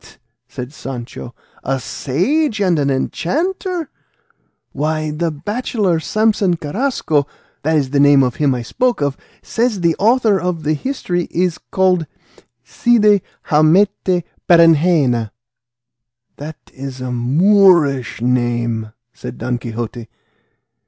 said Sancho, "a sage and an enchanter! Why, the bachelor Samson Carrasco (that is the name of him I spoke of) says the author of the history is called Cide Hamete Berengena." "That is a Moorish name," said Don Quixote.